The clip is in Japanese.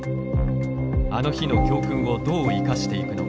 あの日の教訓をどう生かしていくのか。